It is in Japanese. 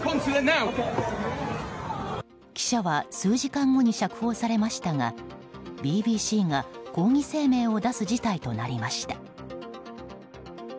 記者は数時間後に釈放されましたがＢＢＣが抗議声明を出す事態となりました。